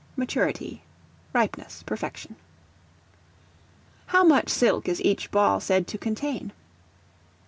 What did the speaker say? Maturity, ripeness, perfection How much silk is each ball said to contain?